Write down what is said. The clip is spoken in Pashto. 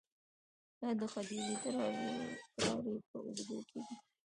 دا د ختیځې تراړې په اوږدو کې دي